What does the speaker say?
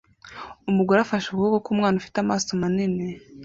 Umugore afashe ukuboko k'umwana ufite amaso manini